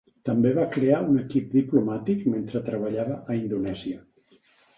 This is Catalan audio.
També va crear un equip diplomàtic mentre treballava a Indonèsia.